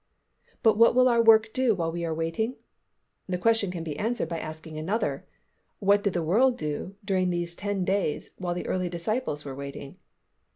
But what will our work do while we are waiting? The question can be answered by asking another, "What did the world do during these ten days while the early disciples were waiting?"